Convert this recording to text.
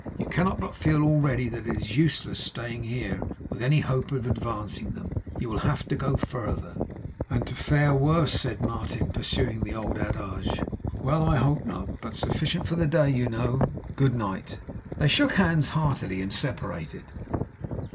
You cannot but feel already that it is useless staying here, with any hope of advancing them. You will have to go further.' 'And to fare worse?' said Martin, pursuing the old adage. 'Well, I hope not. But sufficient for the day, you know good night' They shook hands heartily and separated.